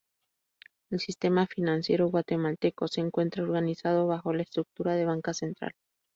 El sistema financiero guatemalteco se encuentra organizado bajo la estructura de Banca Central.